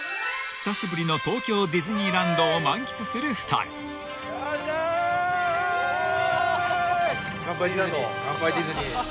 ［久しぶりの東京ディズニーランドを満喫する２人］よっしゃ。